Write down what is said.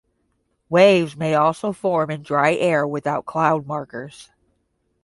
Waves may also form in dry air without cloud markers.